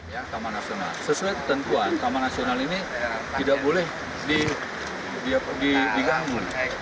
yang taman nasional sesuai tentuan taman nasional ini tidak boleh diganggu